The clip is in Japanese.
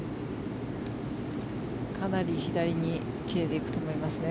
かなり左に切れていくと思いますね。